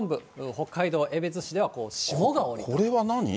北海道江別市では、霜が降りて。